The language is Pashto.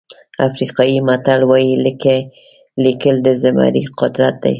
افریقایي متل وایي لیکل د زمري قدرت دی.